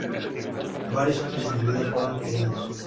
Varios otros individuos fueron heridos.